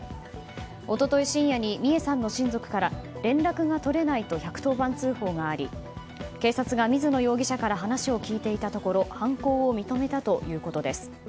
一昨日深夜に美恵さんの親族から連絡が取れないと１１０番通報があり警察が水野容疑者から話を聞いていたところ犯行を認めたということです。